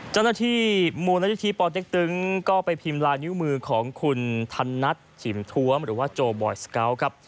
เจ้าหน้าที่มูลนิธิปอเต็กตึงก็ไปพิมพ์ลายนิ้วมือของคุณธนัทฉิมทวมหรือว่าโจบอยสเกาะครับ